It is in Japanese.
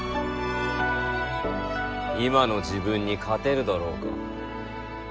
今の自分に勝てるだろうか。